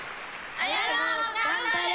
彩乃頑張れ！